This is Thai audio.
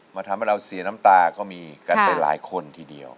ทำให้เราเสียน้ำตาก็มีกันไปหลายคนทีเดียว